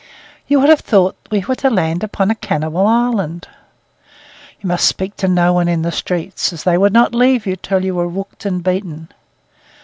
You would have thought we were to land upon a cannibal island. You must speak to no one in the streets, as they would not leave you till you were rooked and beaten.